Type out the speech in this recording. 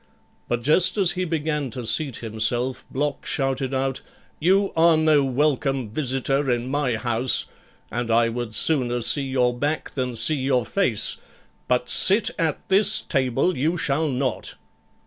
But just as he began to seat himself, Block shouted out, 'You are no welcome visitor in my house, and I would sooner see your back than see your face, but sit at this table you shall not.'